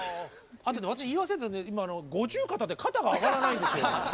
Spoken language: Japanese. あとね私言い忘れたんだけど今五十肩で肩が上がらないんですよ。